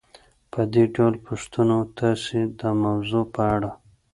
په دې ډول پوښتنو تاسې د موضوع په اړه